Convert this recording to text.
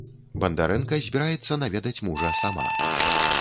Бандарэнка збіраецца наведаць мужа сама.